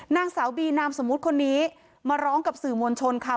นางสาวบีนามสมมุติคนนี้มาร้องกับสื่อมวลชนค่ะ